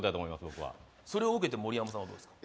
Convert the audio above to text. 僕はそれを受けて盛山さんはどうですか？